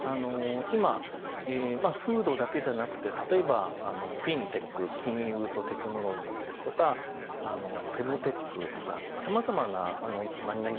今フードだけじゃなくて例えばフィンテック金融とテクノロジーですとかフェムテックとか様々な何々